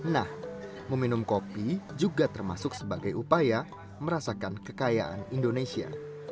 nah meminum kopi juga termasuk sebagai upaya merasakan kekayaan indonesia